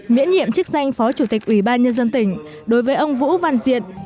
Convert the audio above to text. miễn nhiệm chức danh phó chủ tịch ubnd đối với ông vũ văn diệt